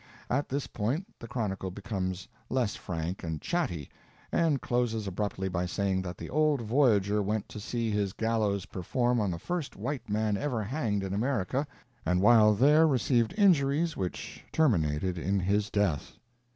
At this point the chronicle becomes less frank and chatty, and closes abruptly by saying that the old voyager went to see his gallows perform on the first white man ever hanged in America, and while there received injuries which terminated in his death.